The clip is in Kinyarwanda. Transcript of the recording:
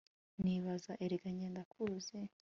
nibaza erega jye ndakuzi